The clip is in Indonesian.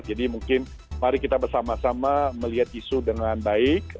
jadi mungkin mari kita bersama sama melihat isu dengan baik